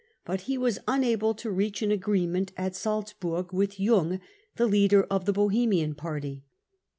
But he was unable to reach an agreement at Salzburg with Jung, the leader of the Bohemian Party.